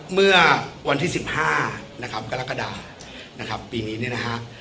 เมื่อวันที่๑๕นะครับกรกฎานะครับปีนี้เนี่ยนะฮะ